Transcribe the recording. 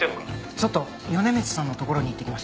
ちょっと米光さんのところに行ってきます。